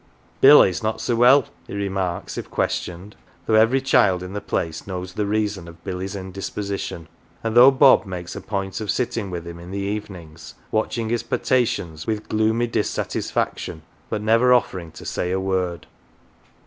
" Billy's not so well," he remarks, if questioned, though every child in the place knows the reason of Billy's indisposition, and though Bob makes a point of sitting with him in the evenings, watching his potations with gloomy dissatisfaction, but never " offering to say a word.""